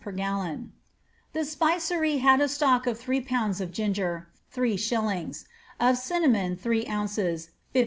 per gallon. The spicery had a stock of tliree pounds of ginger, 3«.; of cinnamon, three ounces, lid.